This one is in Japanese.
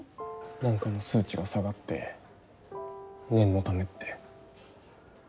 何かの数値が下がって念のためって。